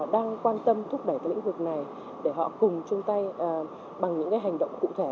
đang quan tâm thúc đẩy lĩnh vực này để họ cùng chung tay bằng những hành động cụ thể